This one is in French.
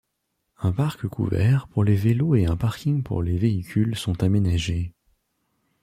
Un parc couvert pour les vélos et un parking pour les véhicules sont aménagés.